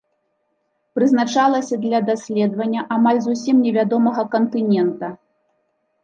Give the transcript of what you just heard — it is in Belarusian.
Прызначалася для даследавання амаль зусім невядомага кантынента.